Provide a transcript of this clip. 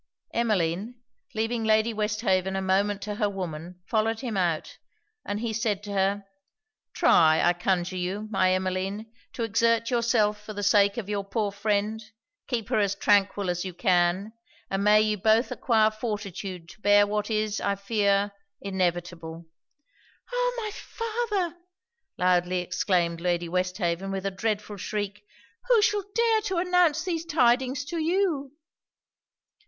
Emmeline, leaving Lady Westhaven a moment to her woman, followed him out, and he said to her 'Try, I conjure you, my Emmeline, to exert yourself for the sake of your poor friend. Keep her as tranquil as you can; and may ye both acquire fortitude to bear what is, I fear, inevitable!' 'Oh! my father!' loudly exclaimed Lady Westhaven, with a dreadful shriek 'Who shall dare to announce these tidings to you?'